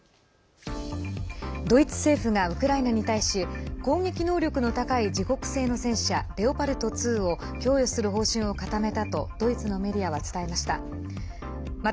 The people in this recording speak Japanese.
ドイツ政府がウクライナに対し攻撃能力の高い自国製の戦車レオパルト２を供与する方針を固めたとドイツのメディアは伝えました。